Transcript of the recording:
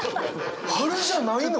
春じゃないの？